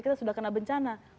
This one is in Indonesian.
kita sudah kena bencana